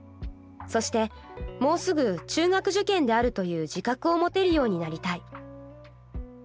そしてもうすぐ中学受験であるという自覚を持てるようになりたい。